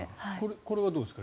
これはどうですか？